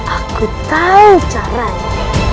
aku tahu caranya